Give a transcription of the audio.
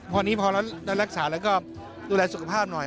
พอนี้พอเรารักษาแล้วก็ดูแลสุขภาพหน่อย